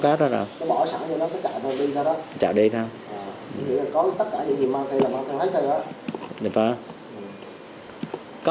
có tất cả dự dị mang kỳ là mang theo máy tư thôi đó